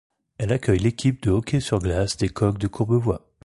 Elle accueille l'équipe de hockey sur glace des Coqs de Courbevoie.